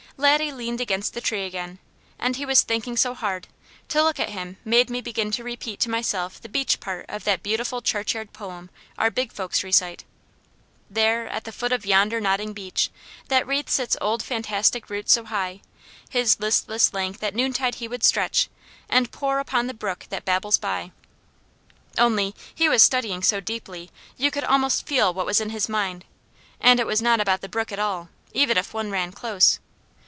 Laddie leaned against the tree again, and he was thinking so hard, to look at him made me begin to repeat to myself the beech part of that beautiful churchyard poem our big folks recite: "There, at the foot of yonder nodding beech, That wreathes its old fantastic roots so high, His listless length at noontide he would stretch, And pore upon the brook that babbles by." Only he was studying so deeply you could almost feel what was in his mind, and it was not about the brook at all, even if one ran close.